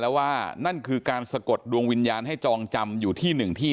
แล้วว่านั่นคือการสะกดดวงวิญญาณให้จองจำอยู่ที่หนึ่งที่